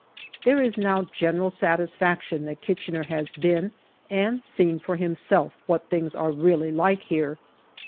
There is now general satisfaction that Kitchener has been and seen for himself what things are really like here.